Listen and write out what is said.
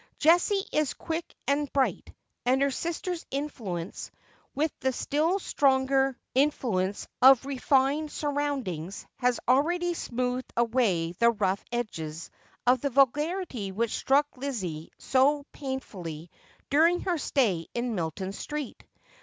Jessie is quick and bright, and her sister's influence, with the still stronger influence of refined surroundings, has already smoothed away the rough edges of the vulgarity which struck Lizzie so pain fully during her stay in Milton Street.